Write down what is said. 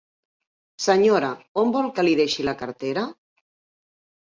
Senyora, on vol que li deixi la cartera?